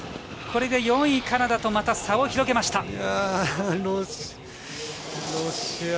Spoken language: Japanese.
これで４位、カナダとまた差を広げました。